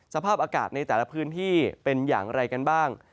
สภาพอากาศในแต่ละพื้นที่เป็นอย่างไรกันบ้าง